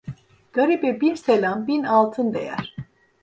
Garibe bir selam bin altın değer.